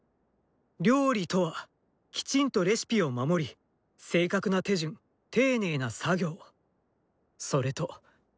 料理とはきちんとレシピを守り正確な手順丁寧な作業それと「気持ち」です。